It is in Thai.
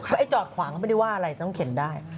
ไอ้จอดขวางก็ไม่ได้ว่าอะไรต้องเข็นได้